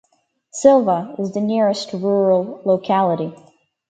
Sylva is the nearest rural locality.